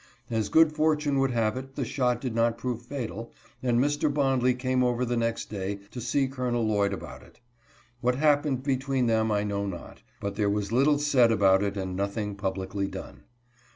As good fortune would have it, the shot did not prove fatal, and Mr. Bondley came over the next day to see Col. Lloyd about it. What happened between them I know not, but there was little said about it and nothing publicly done.